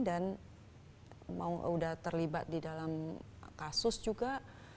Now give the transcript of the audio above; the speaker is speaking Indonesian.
dan mau udah terlibat di dalam kasus juga